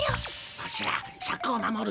ワシらシャクを守る